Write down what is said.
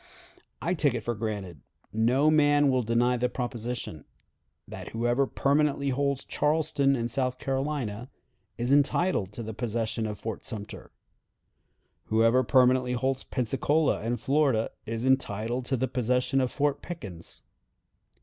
I take it for granted, no man will deny the proposition, that whoever permanently holds Charleston and South Carolina is entitled to the possession of Fort Sumter. Whoever permanently holds Pensacola and Florida is entitled to the possession of Fort Pickens.